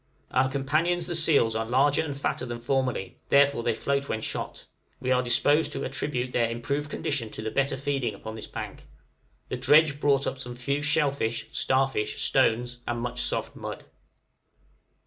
Our companions the seals are larger and fatter than formerly, therefore they float when shot; we are disposed to attribute their improved condition to the better feeding upon this bank. The dredge brought up some few shell fish, star fish, stones and much soft mud.